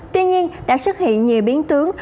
tuy nhiên đã xuất hiện nhiều biến tướng